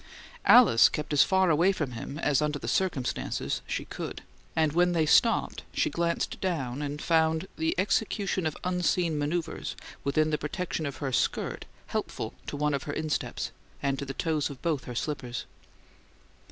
Alice kept as far away from him as under the circumstances she could; and when they stopped she glanced down, and found the execution of unseen manoeuvres, within the protection of her skirt, helpful to one of her insteps and to the toes of both of her slippers.